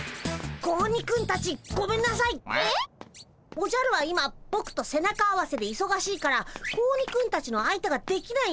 おじゃるは今ぼくと背中合わせでいそがしいから子鬼くんたちの相手ができないんだ。